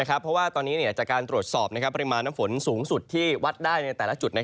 เพราะว่าตอนนี้จากการตรวจสอบปริมาณน้ำฝนสูงสุดที่วัดได้ในแต่ละจุด